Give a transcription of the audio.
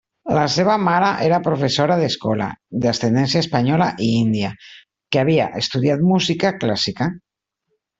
La seva mare era professora d'escola, d'ascendència espanyola i índia, que havia estudiat música clàssica.